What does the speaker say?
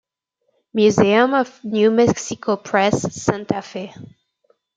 Museum of New Mexico Press, Santa Fe.